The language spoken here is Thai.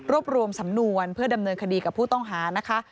รวมรวมสำนวนเพื่อดำเนินคดีกับผู้ต้องหานะคะ